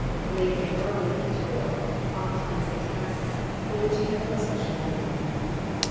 Late and early, he toiled, ofttimes at tasks for which he had no special liking.